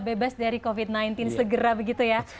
bebas dari covid sembilan belas segera begitu ya